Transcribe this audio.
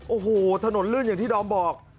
โอ้โหถนนลื่นอย่างที่ดอมบอก